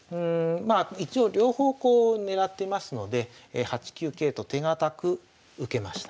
一応両方こう狙ってますので８九桂と手堅く受けました。